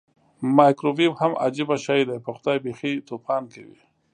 مایکرو ویو هم عجبه شی دی پخدای بیخې توپان کوي.